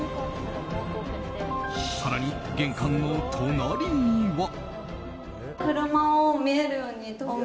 更に、玄関の隣には。